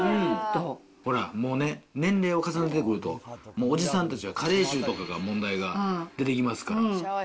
もう、年齢を重ねてくると、もうおじさんたちは加齢臭とかが、問題が出てきますから。